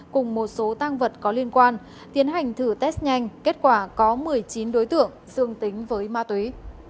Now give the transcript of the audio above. cùng một số tăng vật có liên quan tiến hành thử test nhanh kết quả có một mươi chín đối tượng dương tính với ma túy